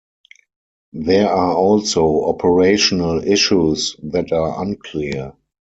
There are also operational issues that are unclear.